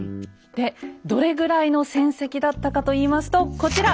でどれぐらいの戦績だったかといいますとこちら。